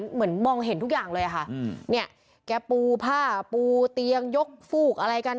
เหมือนมองเห็นทุกอย่างเลยค่ะเนี่ยแกปูผ้าปูเตียงยกฟูกอะไรกัน